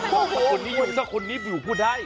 อ๋อก็เป็นคนภะเยาว์ถ้าคนนี้อยู่พูดได้